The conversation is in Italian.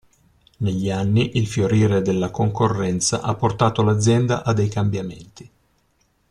Negli anni, il fiorire della concorrenza ha portato l'azienda a dei cambiamenti.